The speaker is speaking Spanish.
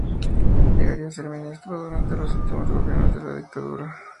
Llegaría a ser ministro durante los últimos gobiernos de la dictadura.